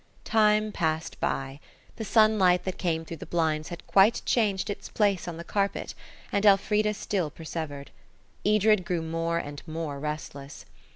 Time passed by. The sunlight that came through the blinds had quite changed its place on the carpet, and still Elfrida persevered. Edred grew more and more restless.